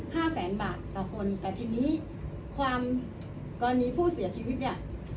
แสนบาทต่อคนแต่ทีนี้ความกรณีผู้เสียชีวิตเนี่ย